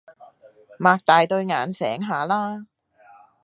擘大對眼醒下啦